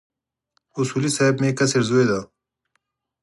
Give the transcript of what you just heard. اصولي صیب مې کشر زوی دی.